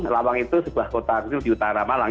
lawang itu sebuah kota di utara malang